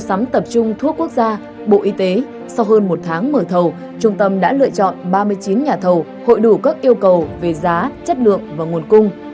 mua sắm tập trung thuốc quốc gia bộ y tế sau hơn một tháng mở thầu trung tâm đã lựa chọn ba mươi chín nhà thầu hội đủ các yêu cầu về giá chất lượng và nguồn cung